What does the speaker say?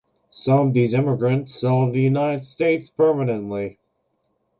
Some of these immigrants settled in the United States permanently.